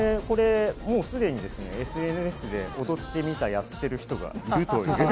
すでにＳＮＳで「踊ってみた」をやってる人がいるという。